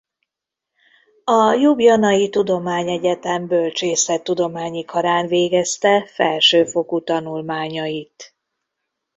A Ljubljanai Tudományegyetem bölcsészettudományi karán végezte felsőfokú tanulmányait.